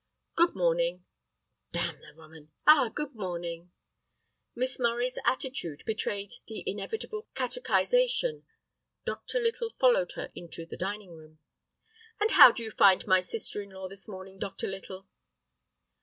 "Good morning." "Damn the woman—Ah, good morning." Miss Murray's attitude betrayed the inevitable catechisation. Dr. Little followed her into the dining room. "And how do you find my sister in law this morning. Dr. Little?"